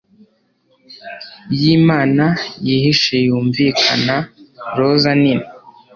yimana yihishe yumvikana roza nini